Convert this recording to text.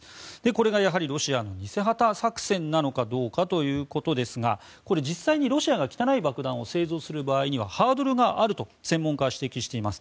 これがやはりロシアの偽旗作戦なのかどうかということですがこれ、実際にロシアが汚い爆弾を製造する場合にはハードルがあると専門家は指摘しています。